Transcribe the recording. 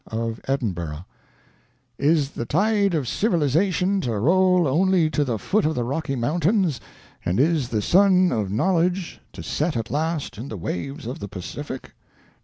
of Edinburgh: "Is the tide of civilization to roll only to the foot of the Rocky Mountains, and is the sun of knowledge to set at last in the waves of the Pacific?